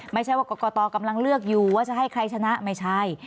ไม่ใช่ว่ากรกตกำลังเลือกอยู่ว่าจะให้ใครชนะไม่ใช่